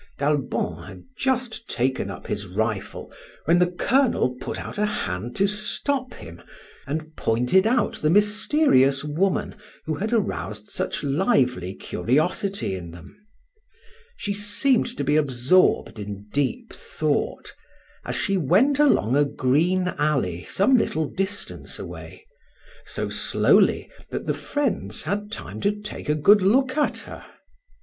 D'Albon had just taken up his rifle when the Colonel put out a hand to stop him, and pointed out the mysterious woman who had aroused such lively curiosity in them. She seemed to be absorbed in deep thought, as she went along a green alley some little distance away, so slowly that the friends had time to take a good look at her.